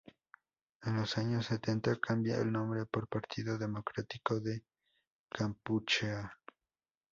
En los años setenta cambia el nombre por Partido Democrático de Kampuchea.